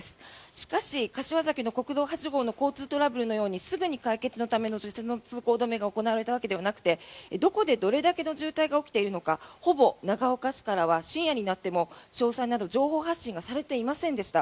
しかし柏崎の国道８号の交通トラブルのようにすぐに解決のための通行止めが行われたわけではなくてどこでどれだけの渋滞が起きているのかほぼ長岡市からは深夜になっても詳細など情報発信がされていませんでした。